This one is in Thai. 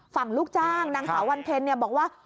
ลูกจ้างนางสาววันเพ็ญบอกว่า